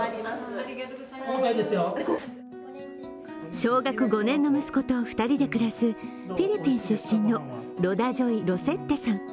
小学５年の息子と２人で暮らすフィリピン出身のロダ・ジョイ・ロセッテさん。